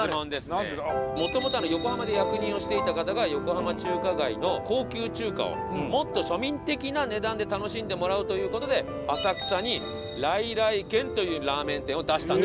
元々横浜で役人をしていた方が横浜中華街の高級中華をもっと庶民的な値段で楽しんでもらおうという事で浅草に來々軒というラーメン店を出したんです。